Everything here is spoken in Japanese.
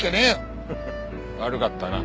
フフ悪かったな。